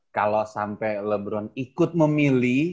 kalau sampai lebron ikut memilih